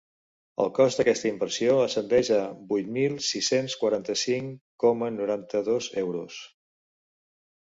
El cost d’aquesta inversió ascendeix a vuit mil sis-cents quaranta-cinc coma noranta-dos euros.